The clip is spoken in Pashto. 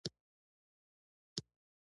ده وویل: راته ووایه، په جبهه کې څه حالات دي؟